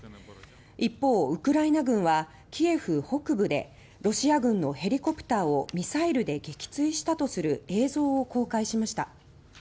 一方、ウクライナ軍はキエフ北部でロシア軍のヘリコプターをミサイルで撃墜したとする映像を公開しました。